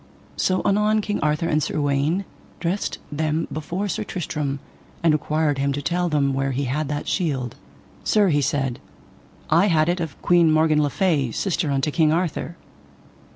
So anon King Arthur and Sir Uwaine dressed them before Sir Tristram, and required him to tell them where he had that shield. Sir, he said, I had it of Queen Morgan le Fay, sister unto King Arthur.